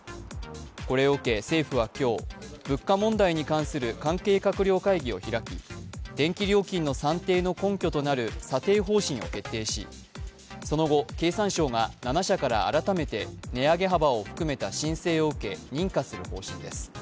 これを受け、政府は今日、物価問題に関する関係閣僚会議を開き電気料金の算定の根拠となる査定方針を決定しその後、経産省が７社から改めて値上げ幅を含めた申請を受け、認可する方針です。